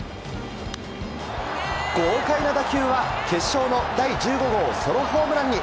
豪快な打球は決勝の第１５号ソロホームランに。